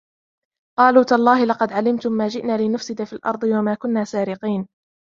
قالوا تالله لقد علمتم ما جئنا لنفسد في الأرض وما كنا سارقين